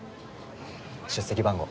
出席番号。